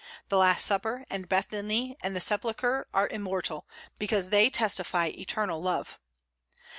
The Last Supper, and Bethany, and the Sepulchre are immortal, because they testify eternal love.